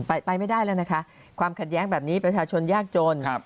ไปไปไม่ได้แล้วนะคะความขัดแย้งแบบนี้ประชาชนยากจนครับ